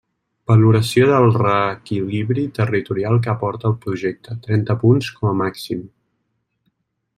Valoració del reequilibri territorial que aporta el projecte, trenta punts com a màxim.